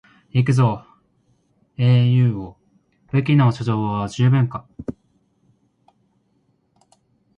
行くぞ英雄王、武器の貯蔵は十分か？